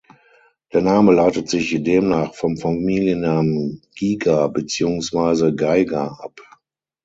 Der Name leitet sich demnach vom Familiennamen "Giger" beziehungsweise "Geiger" ab.